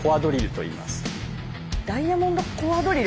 ダイヤモンドコアドリル。